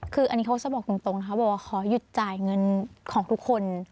คืออันนี้เขาจะบอกตรงนะคะบอกว่าขอหยุดจ่ายเงินของทุกคน